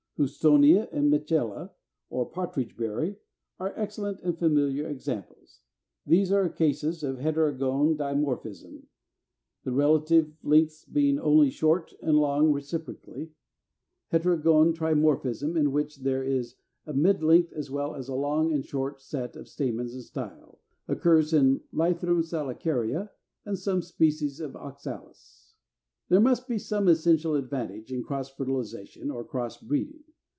Houstonia and Mitchella, or Partridge berry, are excellent and familiar examples. These are cases of Heterogone Dimorphism, the relative lengths being only short and long reciprocally. Heterogone Trimorphism, in which there is a mid length as well as a long and a short set of stamens and style; occurs in Lythrum Salicaria and some species of Oxalis. 342. There must be some essential advantage in cross fertilization or cross breeding.